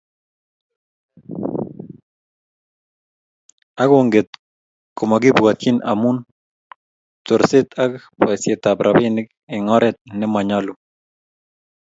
Akonget komokibwotyin amu chorset ak boisetab robinik eng oret ne monyolu